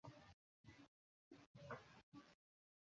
আমি সামলে নেব, স্যার।